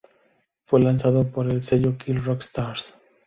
Fue lanzado el por el sello Kill Rock Stars.